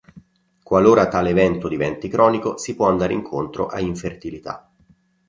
Qualora tale evento diventi cronico si può andare incontro a infertilità.